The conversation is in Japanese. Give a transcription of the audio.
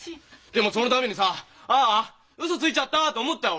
でもその度にさ「ああ。ウソついちゃった」と思ったよ